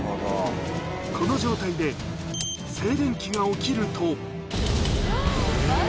この状態で静電気が起きると。